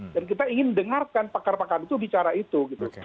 dan kita ingin dengarkan pakar pakar itu bicara itu